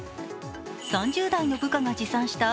３０代の部下が持参した